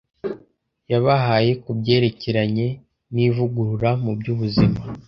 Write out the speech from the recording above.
yabahaye ku byerekeranye n’ivugurura mu by’ubuzima.